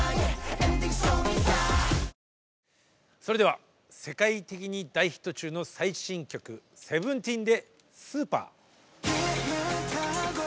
それでは世界的に大ヒット中の最新曲ＳＥＶＥＮＴＥＥＮで「Ｓｕｐｅｒ」。